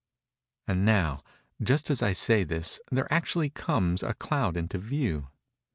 And now, just as I say this, there actually comes a cloud into view.